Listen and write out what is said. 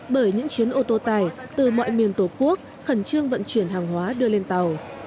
bởi những chuyến ô tô tài từ mọi miền tổ quốc hẳn chương vận chuyển hàng hóa đưa lên tàu